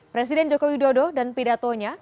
presiden joko widodo dan pidatonya